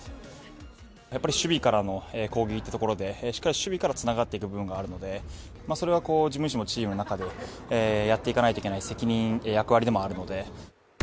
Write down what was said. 守備から攻撃というところでしっかり守備からつながっていく部分があるのでそれは自分自身もチームの中でやっていなかければいけない、責任、役割でもあるので。